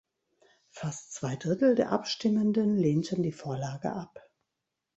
Fast zwei Drittel der Abstimmenden lehnten die Vorlage ab.